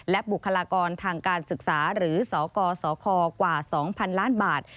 และบุคลากรทางการศึกษาหรือสกสคกว่า๒๐๐๐ล้านบาท